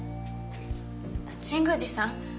神宮寺さん